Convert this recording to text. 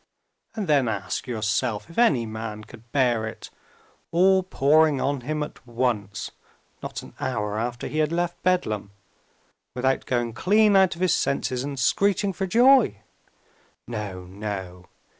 And then ask yourself if any man could bear it, all pouring on him at once (not an hour after he had left Bedlam), without going clean out of his senses and screeching for joy? No, no.